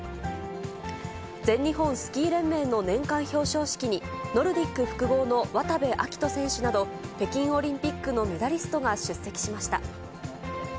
全日本スキー連盟の年間表彰式に、ノルディック複合の渡部暁斗選手など、北京オリンピックのメダリストが出席しました。